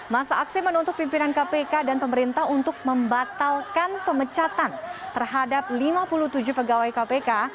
masa aksi menuntut pimpinan kpk dan pemerintah untuk membatalkan pemecatan terhadap lima puluh tujuh pegawai kpk